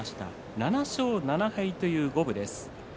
７勝７敗という五分です。